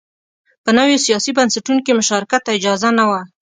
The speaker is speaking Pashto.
په نویو سیاسي بنسټونو کې مشارکت ته اجازه نه وه